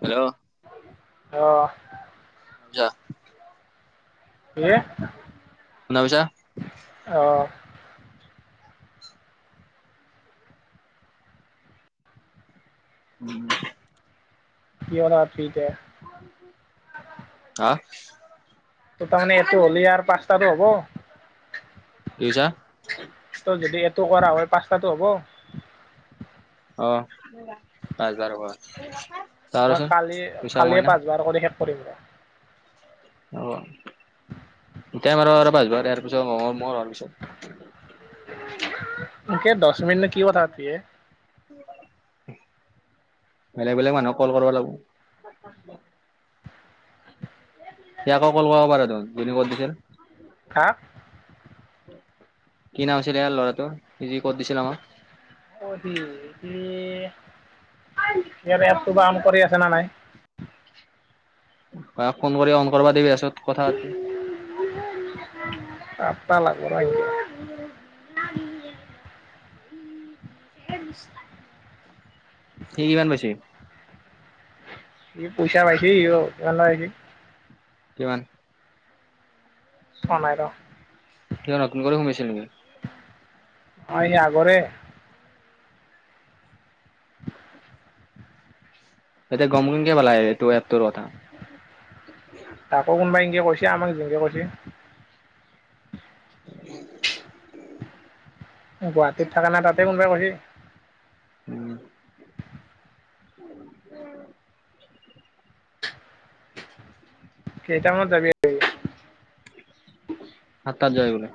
Hello, অ', [unintelligible] যায় কি অ, উম, কি কলা এতিয়া হাহ। ত তাৰমানে এইটো হ'লে আৰু পাচটাতো হব। কি কৈছা। টো কৰা হয় পাচটাটো হ'ব। অ, পাচ হাজাৰ টকা। মই কালি কালিয়ে পাচবাৰ কৰি শেষ কৰিম ৰ অ', আৰু এতিয়া [unintelligible] ইয়াৰ পিছত ম মৰ হোৱাৰ পিছত। এতিয়া দচ মিনিটনো কি কথা পাতিবি হে। [inaudible] বেলেগ - বেলেগ মানুহক কল কৰিব লাগিব। সি আকৌ কল কৰিব পাৰে ন যদি কত দিছিল। হা কি নাম আছিলে ইয়াৰ ল'ৰাটো জি কৰি দিছিল আমাক অ, সি - সি। [unintelligible] ইয়াতো কাম কৰি আছে ন নাই। অ, ফোন কৰি অন কৰিবা দিবি পাছত কথা পাতিবি। পাতবা লাগব [unintelligible] [inaudible] সি কিমান পাইছে। সি পইচা পাইছি সি অ, কিমান? চোৱা নাই ৰ কিমান নতুন কৰি সোমাইছিল নেকি। অ, সি আগৰে [inaudible] এতিয়া গম কেনেকে পালা এইটো এ তোৰ কথা। তাকো কোনোবাই এনকে কৈছে আমাক যেনকে কৈছে। [unintelligible] গুৱাহাটীত থাকে না তাতে কোনোবাই কৈছে। উম, [unintelligible] কেইটামানত যাবি আ সাত তাত জাবি বোলে।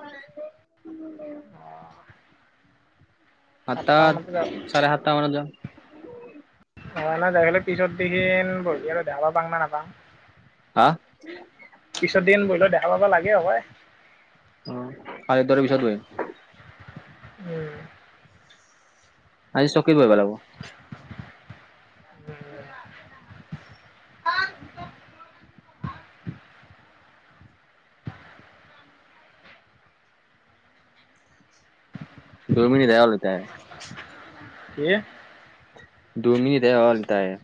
সাতটা সাতটাত মানতে যাওঁ চাৰে সাতটা মানত যাম। অ, ন যাই ফেলেক পিছত দেখিন বহিবলে জাঘা পাং না নাপাং। হাহ। পিছত দিন বহিলো দেখা পাবা লাগে হবায়। অ, আজ তৰ পিছত বহি উম, আজি চকীত বহি বা লাগব। অ', দুই মিনিটহে হ'ল এতিয়াই। কি? দুমিনিতে হ'ল তাইৰ।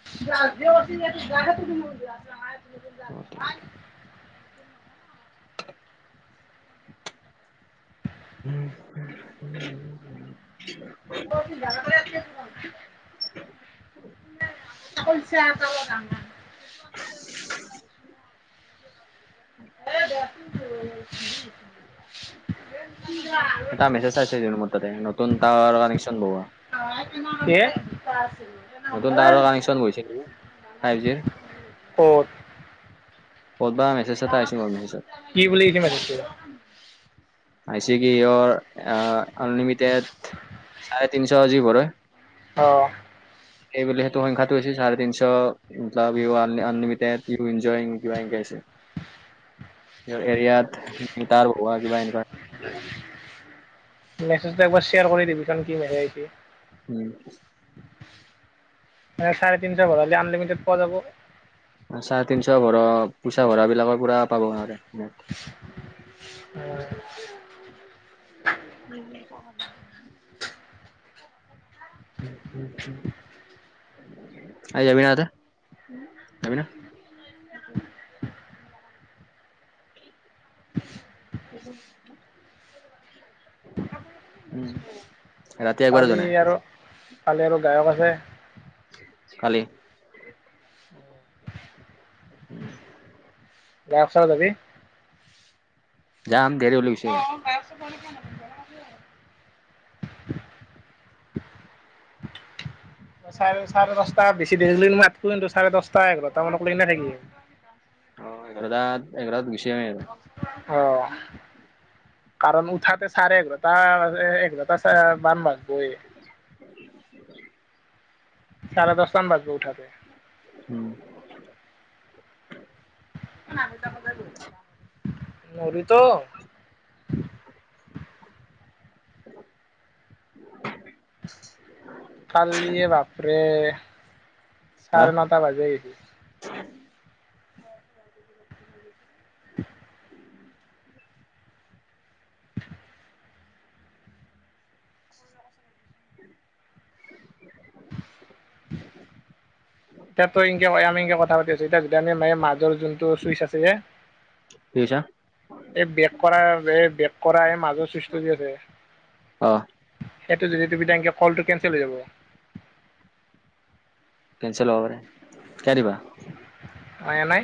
[inaudible] অ', তেন উম, উম। [inaudible] [inaudible] [inaudible] হ'ব। [inaudible] এটা মেছেজ আছে মোৰ ততে নতুন টাৱাৰ কানেকশচন বোহুৱা [inaudible] নতুন টাৱাৰৰ কানেকচন গৈছে নেকি? ফাইভ জিৰ ক'ত ক'তবা মেছেজ এটা আহিছে মোৰ মেছেজত কি বুলি [unintelligible] মাতিছিল? আই চি কি ইৰ আনলিমিটেড চাৰে তিনিশ যি পৰে অ'। এইবোলে সেইটো সংখ্যাটো হৈছে চাৰে তিনশ [unintelligible] আনলিমিড ইনজয়িং কিবা সিংকে আছে। এৰিয়াত তাৰ বহোৱা কিবা এনেকুৱা [inaudible] মেছেজটো একবাৰ শ্বেয়াৰ কৰি দিবিচোন কি মেছেজ আইছে। উম। চাৰে তিনশ ভৰালে আনলিমিটেড পোৱা যাব। চাৰে তিনশ ভৰা পইচা ভৰা বিলাকৰ পুৰা পাব নোৱাৰে। উম। [inaudible] উম, উম, উম। আ জমিনা তাতে জমিনা [inaudible] উম, ৰাতি একবাৰো কালি যোৱা নাই। আৰু কালি আৰু গায়ক আছে। কালি উম। গায়ক চাবা যাবি? যাম দেৰিও লৈ গৈছে। [inaudible] চাৰে চাৰে দহটা বেছি দেৰি মাতক কিন্তু চাৰে দহটা এঘাৰটা মানক ল না থাকিম। অ', এগ্ৰ গছ অ'। কাৰণ উঠাতে চাৰে এঘাৰটা, এঘাৰটা মান গ [inaudible] চাৰা দশটাম বাজ গৈ উঠাতে। উম নমি ত মাজ গ'ল নৰিটো কালি বাপৰে হা চাৰে নটা বাজে আহছো উম। [inaudible] ইতাটো এনকে ক আমি এনকে কথা পাতি আছো, এতিয়া য আমি ম মাজৰ যোনটো চুইচ আছে যে। কি কৈছা এই বেক কৰা- এই বেক কৰা এই মাজ [unintelligible] আছে। অ এইটো যদি তুমি তেনকে কলটো কেঞ্চেল হৈ যাব। কেনচেল হ'ব পাৰে, শিকাই দিবা। অ' এ নাই।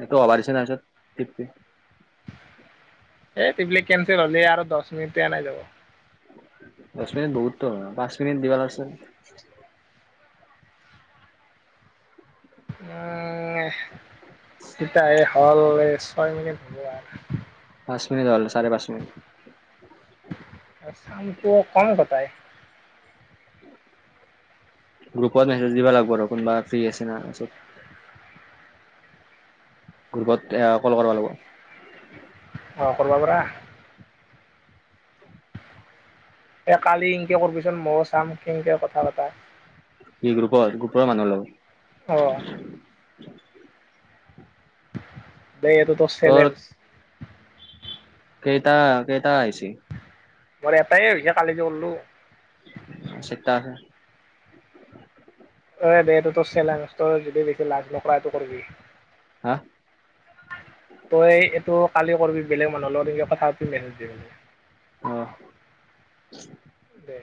এইটো অবাৰিছে নাইচত [unintelligible] এ সেইবিলাক কেনচেল হ'লে আৰু দচ মিনিটে নাই [unintelligible] দছ মিনিট বহুত দেখোন, পাঁচ মিনিট দিব লাগছে। [unintelligible] [unintelligible] হ'ল এ ছয় মিনিট হ'ব আৰু। পাঁচ মিনিট হ'ল চাৰে পাঁচ মিনিট। [unintelligible] [inaudible] গ্ৰুপত মেছেজ দিবা লাগিব ৰ কোনোবা ফ্ৰী আছে না তাৰপিছত গ্ৰুপত এ কল কৰবা লাগব। অ' কৰবা পাৰা। এ কালি ইনকে কৰবিচোন ময়ো চাম কেনকে কথা পাতা। কি গ্ৰুপত, গ্ৰুপৰ মানুহ লগত। অ'। [inaudible] দেই এইটো তোৰ চেলেঞ্জ। কেটা কেইটা আহিছে। মোৰ এটাই হৈছে, কালি যে কৰলো। [unintelligible] তই এটো টোৰ চেলেঞ্জ যদি বেছি লাজ নকৰা এটো কৰিবি। হা। তই এইটো কালি কৰবি বেলেগ মানুহৰ লগত এনেকে কথা পাতিবি মেছেজ দিম। অ'। দে।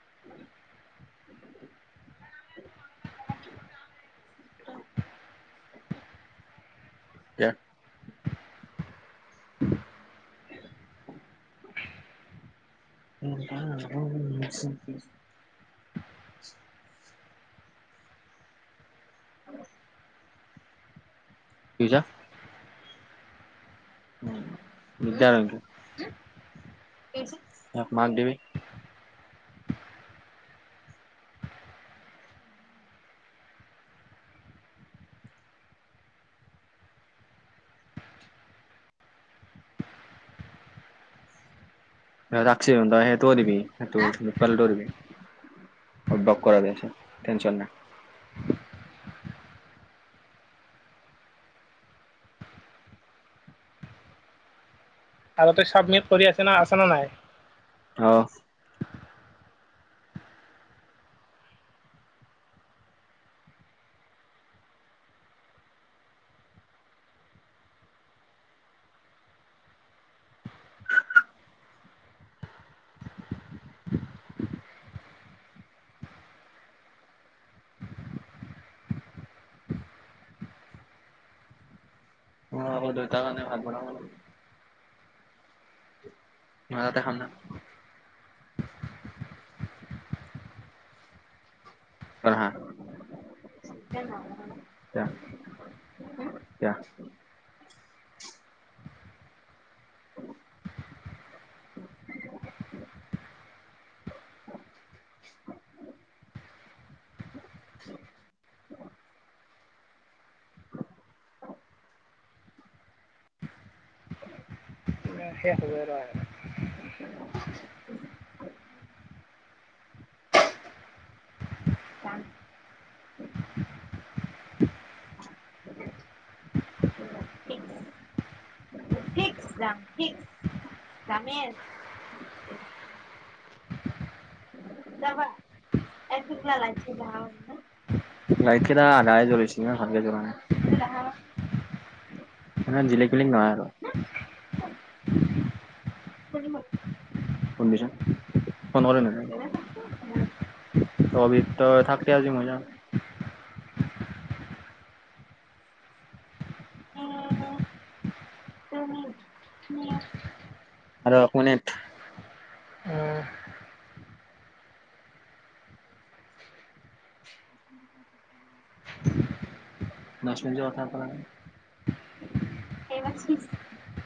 [inaudible] [unintelligible] [inaudible] [inaudible] কি কৈছা। উম, [unintelligible] [unintelligible] সেইটোৱো দিবি, সেইটো [unintelligible] দিবি। অভ্যাস কৰা [unintelligible] টেনচন নাই। আৰু তই চাবমিট কৰি আছ না আছ নে নাই। অ'। অ' মোৰ দুইটা কাৰনে ভাত বনাব লাগে। [unintelligible] [unintelligible] [unintelligible] এতিয়া [unintelligible] [unintelligible] [unintelligible] লাইত কেইটা আধাহে জ্বলিছে ন ভালকে জ্বলা নাই। মানে জিলিকমিলিক নহয় আৰু। কণ্ডিচন ফোন কৰিম [unintelligible] তই কবি তই থাকতে আজি মই জাং। আৰু এক মিনিট নচেল যোৱা পৰাই [unintelligible]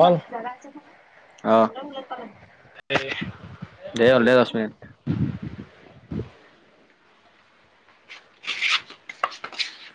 অ, অ', [unintelligible] দে দে আছো